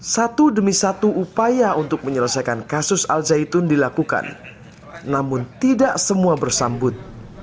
satu demi satu upaya untuk menyelesaikan kasus al zaitun dilakukan namun tidak semua bersambut